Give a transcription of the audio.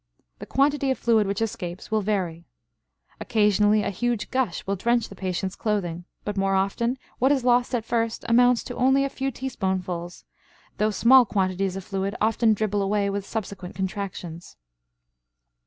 The quantity of fluid which escapes will vary. Occasionally, a huge gush will drench the patient's clothing; but more often what is lost at first amounts to only a few teaspoonfuls, though small quantities of fluid often dribble away with subsequent contractions.